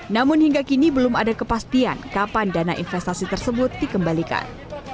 namun hingga kini belum ada kepastian kapan dana investasi tersebut dikembalikan